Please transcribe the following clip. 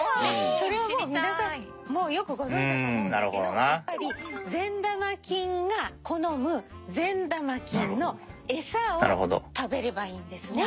それはもう皆さんよくご存じだと思うんだけどやっぱり善玉菌が好む善玉菌のエサを食べればいいんですね。